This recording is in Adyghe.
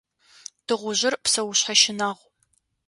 Тыгъужъыр псэушъхьэ щынагъу.